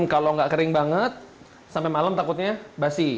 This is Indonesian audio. kalau gak kering banget sampai malem takutnya basi